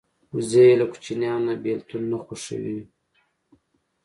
وزې له کوچنیانو نه بېلتون نه خوښوي